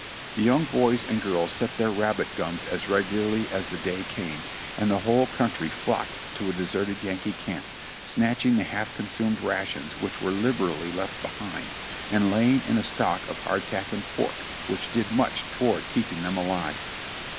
The young boys and girls set their rabbit gums as regularly as the day came, and the whole country flocked to a deserted Yankee camp, snatching the half consumed rations which were lib erally left behind, and laying in a stock of hardtack and pork, which did much toward keeping them alive.